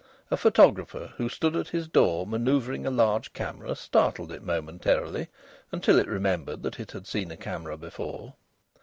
A photographer who stood at his door manoeuvring a large camera startled it momentarily, until it remembered that it had seen a camera before.